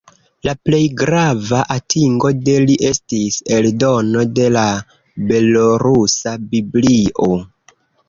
La plej grava atingo de li estis eldono de la belorusa Biblio.